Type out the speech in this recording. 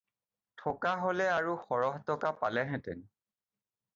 থকা হ'লে আৰু সৰহ টকা পালেহেঁতেন।